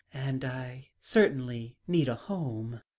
And I certainly need a home."